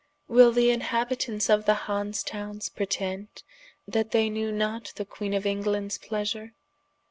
will the inhabitants of the Hanse Townes pretend that they knewe not the Queene of Englands pleasure?